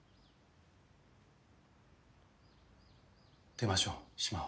出ましょう島を。